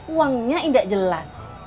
uangnya enggak jelas